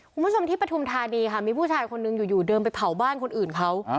คุณผู้ชมที่ปฐุมธานีค่ะมีผู้ชายคนนึงอยู่เดินไปเผาบ้านคนอื่นเขา